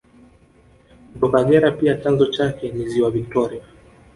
Mto Kagera pia chanzo chake ni ziwa Viktoria